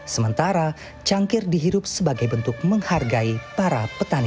sementara cangkir dihirup sebagai bentuk menghargai para petani